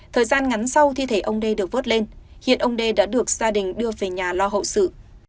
thời gian ngắn sau thi thể ông đê được vớt lên hiện ông đê đã được gia đình đưa về nhà lo hậu sự